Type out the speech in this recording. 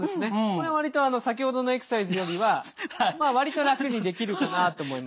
これ割と先ほどのエクササイズよりはまあ割と楽にできるかなと思います。